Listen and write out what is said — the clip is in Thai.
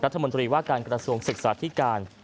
รัฐมนตรีว่าการกระทรวงศึกษาธิการ